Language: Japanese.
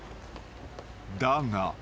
［だが］